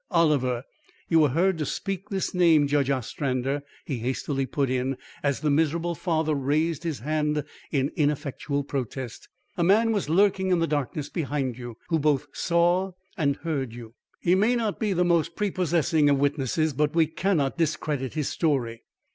Oliver!' You were heard to speak this name, Judge Ostrander," he hastily put in, as the miserable father raised his hand in ineffectual protest. "A man was lurking in the darkness behind you, who both saw and heard you. He may not be the most prepossessing of witnesses, but we cannot discredit his story."